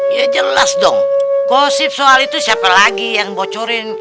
ya jelas dong gosip soal itu siapa lagi yang bocorin